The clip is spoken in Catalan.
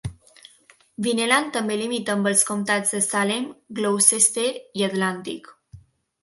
Vineland també limita amb els comptats de Salem, Gloucester i Atlantic.